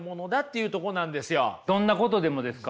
どんなことでもですか？